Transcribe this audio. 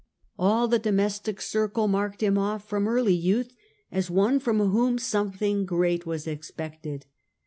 '' All the domestic circle marked him off from early youth as one from whom something great was expected.